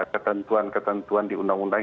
ketentuan ketentuan di undang undang